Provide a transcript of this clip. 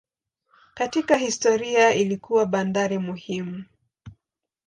Katika historia ilikuwa bandari muhimu.